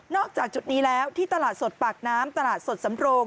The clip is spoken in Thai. จากจุดนี้แล้วที่ตลาดสดปากน้ำตลาดสดสำโรง